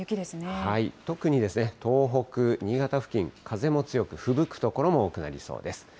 特に東北、新潟付近、風も強く、ふぶく所も多くなりそうです。